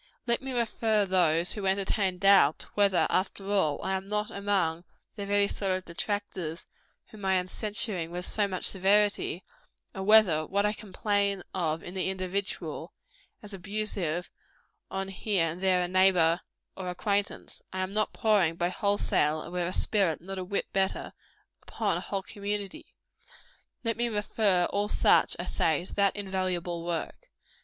Let me refer those who entertain doubts whether, after all, I am not among the very sort of detractors whom I am censuring with so much severity and whether, what I complain of in the individual, as abusive on here and there a neighbor or acquaintance, I am not pouring, by wholesale, and with a spirit not a whit better, upon a whole community, let me refer all such, I say, to that invaluable work.